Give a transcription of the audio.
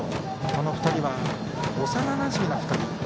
この２人は幼なじみの２人。